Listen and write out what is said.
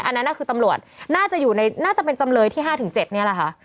อันนั้นคือตำรวจน่าจะอยู่ในน่าจะเป็นจำเลยที่๕๗นี่แหละค่ะ